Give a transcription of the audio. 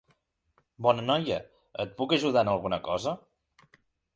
Bona noia, et puc ajudar en alguna cosa?